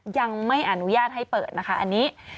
ยังไม่อนุญาตให้เปิดนะคะอันนี้